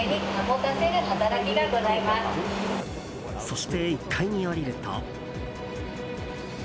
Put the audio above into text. そして、１階に下りると。